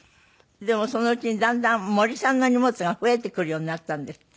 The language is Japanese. でもそのうちにだんだん森さんの荷物が増えてくるようになったんですって？